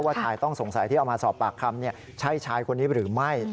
ชายต้องสงสัยที่เอามาสอบปากคำใช่ชายคนนี้หรือไม่